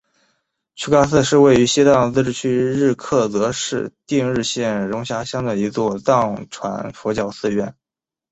曲嘎寺是位于西藏自治区日喀则市定日县绒辖乡的一座藏传佛教寺院。